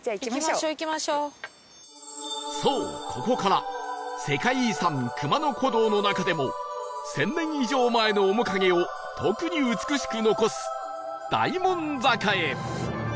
そうここから世界遺産熊野古道の中でも１０００年以上前の面影を特に美しく残す大門坂へ